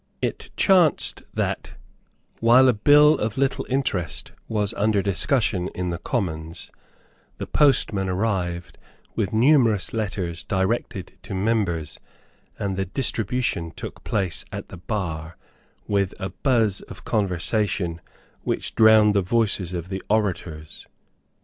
It chanced that, while a bill of little interest was under discussion in the Commons, the postman arrived with numerous letters directed to members; and the distribution took place at the bar with a buzz of conversation which drowned the voices of the orators.